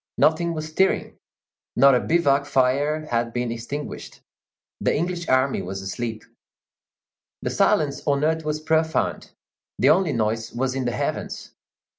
Nothing was stirring; not a bivouac fire had been extinguished; the English army was asleep. The silence on earth was profound; the only noise was in the heavens.